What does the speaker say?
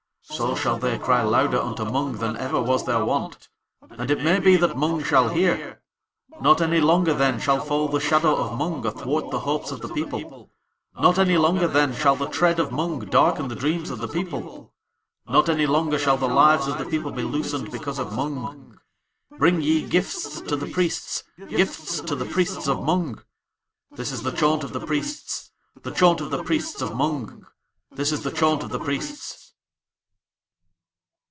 So shall they cry louder unto Mung than ever was their wont. And it may be that Mung shall hear. Not any longer than shall fall the Shadow of Mung athwart the hopes of the People. Not any longer then shall the Tread of Mung darken the dreams of the people. Not any longer shall the lives of the People be loosened because of Mung. Bring ye gifts to the Priests, gifts to the Priests of Mung. This is the chaunt of the Priests. The chaunt of the Priests of Mung. This is the chaunt of the Priests.